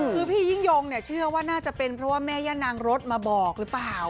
คือพี่ยิ่งยงเนี่ยเชื่อว่าน่าจะเป็นเพราะว่าแม่ย่านางรถมาบอกหรือเปล่า